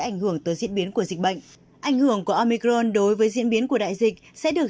ảnh hưởng tới diễn biến của dịch bệnh ảnh hưởng của omicron đối với diễn biến của đại dịch sẽ được